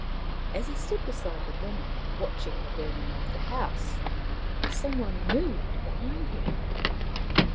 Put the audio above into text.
As he stood beside the woman, watching the burning of the house, some one moved behind him.